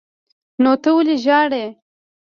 نو ته ولې ژاړې.